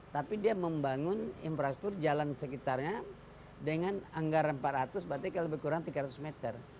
tapi dia membangun infrastruktur jalan sekitarnya dengan anggaran empat ratus berarti lebih kurang tiga ratus meter